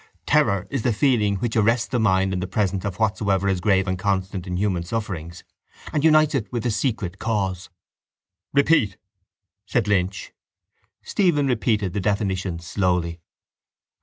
Terror is the feeling which arrests the mind in the presence of whatsoever is grave and constant in human sufferings and unites it with the secret cause. —Repeat, said Lynch. Stephen repeated the definitions slowly.